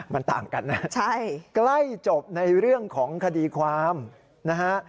มันต่างกันนะใกล้จบในเรื่องของคดีความนะฮะ